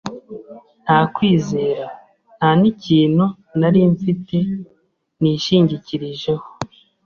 Nta kwizera, nta nikintu nari mfite nishingikirijeho